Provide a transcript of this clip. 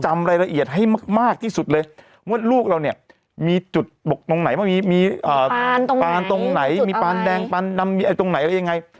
มีตรงในอะไรยังไง